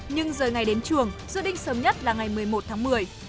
nhưng giờ ngày đến trường dự định sớm nhất là ngày một mươi một tháng một mươi